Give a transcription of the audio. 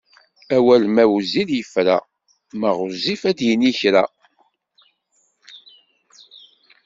Awal ma wezzil yefra, ma ɣezzif ad d-yini kra.